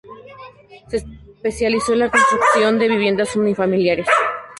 Se especializó en la construcción de viviendas unifamiliares.